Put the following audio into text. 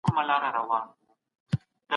د احمد شاه ابدالي مقبره چا جوړه کړه؟